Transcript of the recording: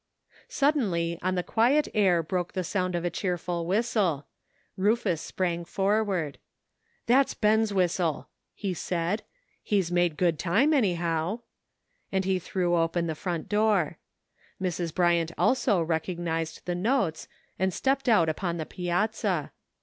Suddenly on the quiet air broke the sound of a cheerful whistle. Rufus sprang forward. "That's Ben's whistle," he said; "he's made good time, anyhow," and he threw open the front door. Mrs. Bryant also recognized the notes, and stepped out upon the piazza.